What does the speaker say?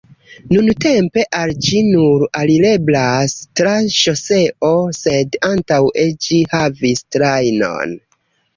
Nuntempe al ĝi nur alireblas tra ŝoseo sed antaŭe ĝi havis trajnon.